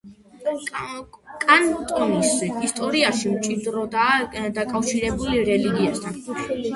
კანტონის ისტორია მჭიდროდაა დაკავშირებული რელიგიასთან.